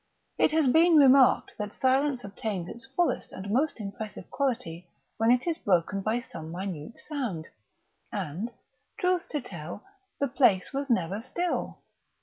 It has been remarked that silence obtains its fullest and most impressive quality when it is broken by some minute sound; and, truth to tell, the place was never still.